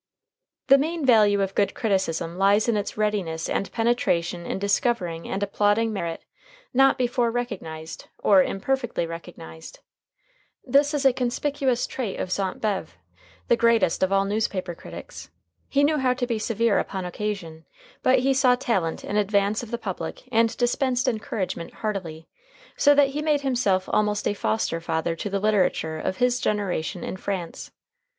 The main value of good criticism lies in its readiness and penetration in discovering and applauding merit not before recognized, or imperfectly recognized. This is a conspicuous trait of Sainte Beuve, the greatest of all newspaper critics. He knew how to be severe upon occasion, but he saw talent in advance of the public and dispensed encouragement heartily, so that he made himself almost a foster father to the literature of his generation in France.